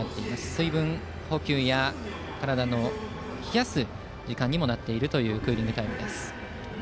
水分補給や体を冷やす時間にもなっているクーリングタイムです。